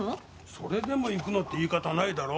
「それでも行くの」って言い方はないだろ？